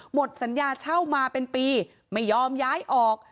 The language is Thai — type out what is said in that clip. หมดสัญญาเช่ามาเป็นปีไม่ยอมย้ายออก